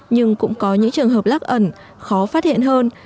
nhưng cũng có những trường hợp lắc ẩn khó phát hiện hơn